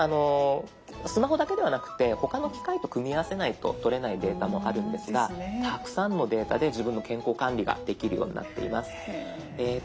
スマホだけではなくて他の機械と組み合わせないととれないデータもあるんですがたくさんのデータで自分の健康管理ができるようになっています。